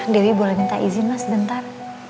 dewi boleh minta izin mas sebentar